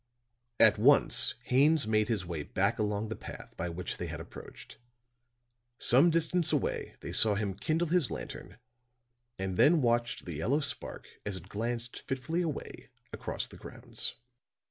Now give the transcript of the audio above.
At once Haines made his way back along the path by which they had approached; some distance away they saw him kindle his lantern, and then watched the yellow spark as it glanced fitfully away across the grounds.